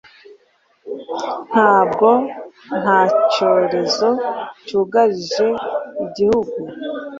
nubwo nta cyorezo cyugarije igihugu